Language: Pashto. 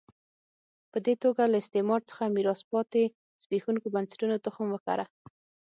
په دې توګه له استعمار څخه میراث پاتې زبېښونکو بنسټونو تخم وکره.